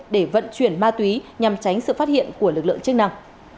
để vận chuyển ma túy nhằm tránh sự phát hiện của lực lượng chức năng